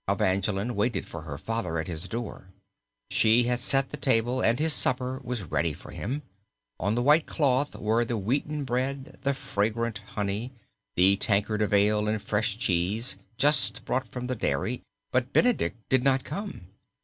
Evangeline waited for her father at his door. She had set the table and his supper was ready for him. On the white cloth were the wheaten bread, the fragrant honey, the tankard of ale, and fresh cheese, just brought from the dairy, but Benedict did not come.